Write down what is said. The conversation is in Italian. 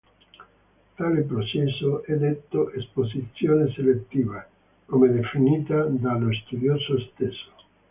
Tale processo è detto "esposizione selettiva”, come definita dallo studioso stesso.